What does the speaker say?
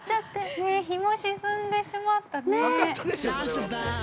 ◆ね、日も沈んでしまったねー。